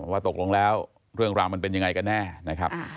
ว่าตกลงแล้วเรื่องราวมันเป็นยังไงกันแน่นะครับ